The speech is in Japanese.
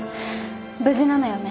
無事なのよね？